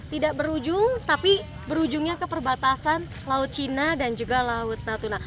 tidak berujung tapi berujungnya ke perbatasan laut cina dan juga laut natuna